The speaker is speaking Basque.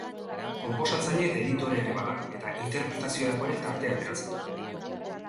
Konposatzaile eta editorea ere bada eta, interpretaziorako ere tartea ateratzen du.